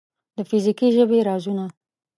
د فزیکي ژبې رازونه